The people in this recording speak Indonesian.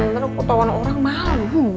ntar kotak orang malu